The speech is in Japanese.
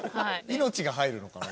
命が入るのかな？